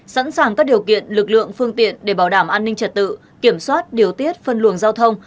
sẵn sàng các điều kiện lực lượng phương tiện để bảo đảm an ninh trật tự kiểm soát điều tiết phân luồng giao thông